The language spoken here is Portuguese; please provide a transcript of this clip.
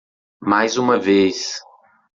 Mais uma vez.